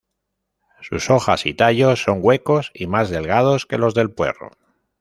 Sus hojas y tallos son huecos y más delgados que los del puerro.